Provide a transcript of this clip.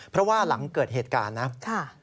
เพราะว่าหลังเกิดเหตุการณ์นะ